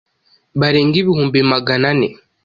barenga ibihumbi magana ane